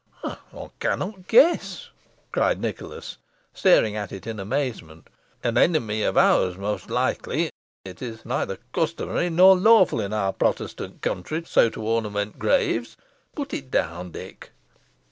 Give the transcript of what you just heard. "I cannot guess!" cried Nicholas, staring at it in amazement "an enemy of ours, most likely. It is neither customary nor lawful in our Protestant country so to ornament graves. Put it down, Dick."